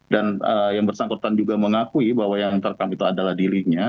dan yang bersangkutan juga mengakui bahwa yang terekam itu adalah dirinya